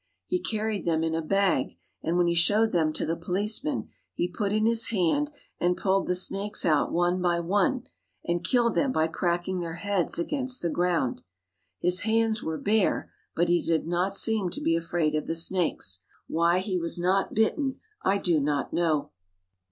He carried them in a bag, and when "— the home of the tiger —" he showed them to the policeman, he put in his hand and pulled the snakes out one by one and killed them by cracking their heads against the ground. His hands were bare, but he did not seem to be afraid of the snakes. Why he was not bitten, I do not know.